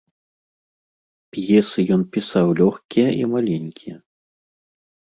П'есы ён пісаў лёгкія і маленькія.